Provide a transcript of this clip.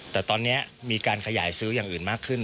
แต่ตอนนี้มีการขยายซื้ออย่างอื่นมากขึ้น